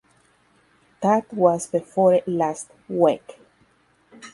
That was before last week.